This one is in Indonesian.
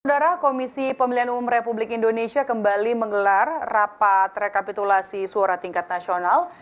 saudara komisi pemilihan umum republik indonesia kembali menggelar rapat rekapitulasi suara tingkat nasional